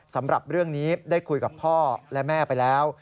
สำหรับเรื่องนี้ได้คุยกับพ่อและแม่ไปแล้ว